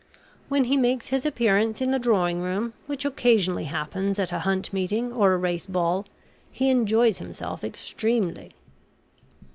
When he makes his appearance in the drawing room, which occasionally happens at a hunt meeting or a race ball, he enjoys himself extremely.